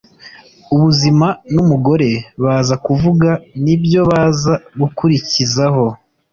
ubuzima n umugore baza kuvuga n ibyo baza gukurikizaho